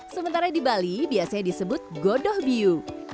sementara di bali biasanya disebut godoh biu